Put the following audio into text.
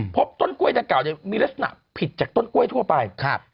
พบต้นกล้วยดังกล่าวเนี่ยมีลักษณะผิดจากต้นกล้วยทั่วไป